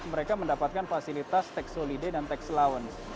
mereka mendapatkan fasilitas tax solide dan tax allowance